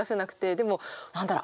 でも何だろう？